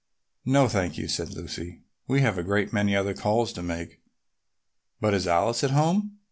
"No, thank you," said Lucy. "We have a great many other calls to make. But is Alice at home?"